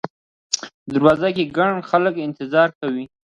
په دروازو کې ګڼ خلک انتظار کاوه.